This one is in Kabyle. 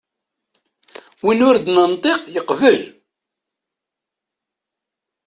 Win ur d-nenṭiq yeqbel.